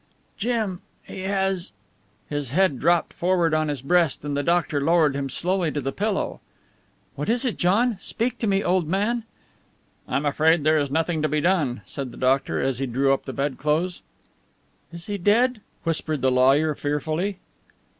"Jim, he has...." His head dropped forward on his breast and the doctor lowered him slowly to the pillow. "What is it, John? Speak to me, old man...." "I'm afraid there is nothing to be done," said the doctor as he drew up the bedclothes. "Is he dead?" whispered the lawyer fearfully.